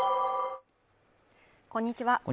こんにちは